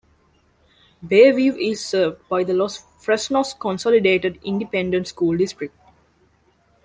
Bayview is served by the Los Fresnos Consolidated Independent School District.